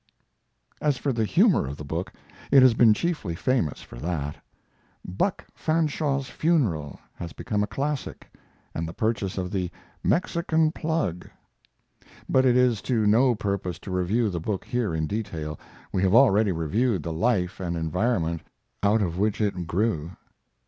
As for the humor of the book, it has been chiefly famous for that. "Buck Fanshaw's Funeral" has become a classic, and the purchase of the "Mexican Plug." But it is to no purpose to review the book here in detail. We have already reviewed the life and environment out of which it grew.